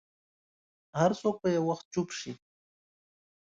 هر څوک به یو وخت چوپ شي.